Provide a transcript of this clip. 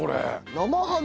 生ハム。